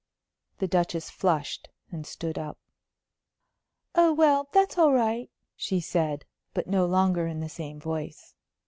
The Duchess flushed and stood up. "Oh, well, that's all right," she said, but no longer in the same voice.